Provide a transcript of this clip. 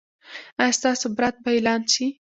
ایا ستاسو برات به اعلان شي؟